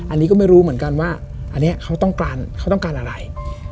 อันนี้ก็ไม่รู้เหมือนกันว่าเขาต้องการอะไร